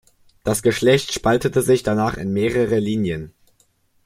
Das Geschlecht spaltete sich danach in mehrere Linien.